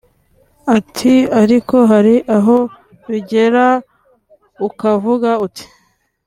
Ati “ Ariko hari aho bigera ukavuga uti